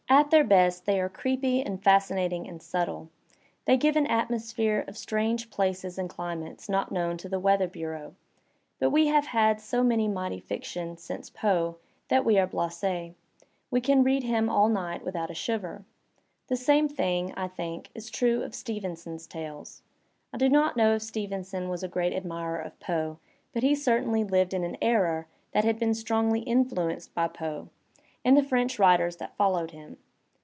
At their best they are creepy and fascinating and subtle; they give an atmosphere of strange places and cli mates not known to the weather bureau, but we have had so much mighty fiction since Poe that we are blasSs; we can read him all night without a shiver. The same thing, I think, is true of Stevenson's tales. I do not know if Steven son was a great admirer of Poe, but he certainly lived in an era that had been strongly influenced by Poe and the French Digitized by Google 146 THE SPIRIT OF AMERICAN LITERATURE writers that followed him.